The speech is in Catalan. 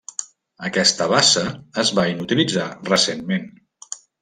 Aquesta bassa es va inutilitzar recentment.